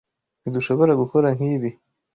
Ntidushobora gukora nkibi.